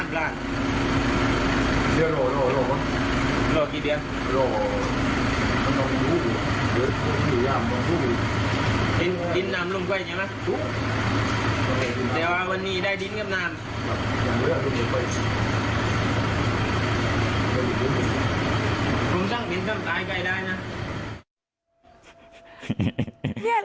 ผมตั้งดินตั้งตายใกล้ได้นะ